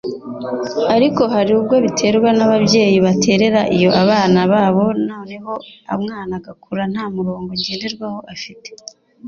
ariko hari ubwo giterwa n’ababyeyi baterera iyo abana babo noneho umwana agakura nta murongo ngenderwaho afite